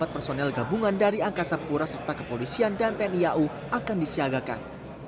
empat personel gabungan dari angkasa pura serta kepolisian dan tni au akan disiagakan